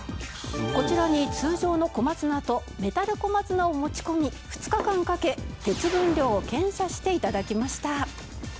こちらに通常の小松菜とメタル小松菜を持ち込み２日間かけ鉄分量を検査して頂きました。